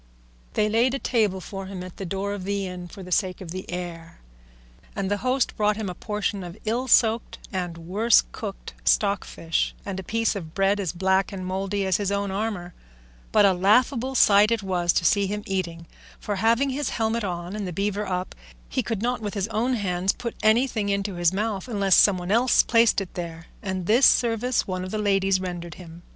They laid a table for him at the door of the inn for the sake of the air, and the host brought him a portion of ill soaked and worse cooked stockfish, and a piece of bread as black and mouldy as his own armour; but a laughable sight it was to see him eating, for having his helmet on and the beaver up, he could not with his own hands put anything into his mouth unless some one else placed it there, and this service one of the ladies rendered him.